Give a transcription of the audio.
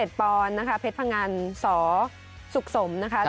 ช่วยเทพธรรมไทยรัช